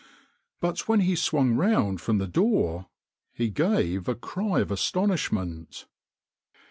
But when he swung round from the door he gave a cry of astonishment.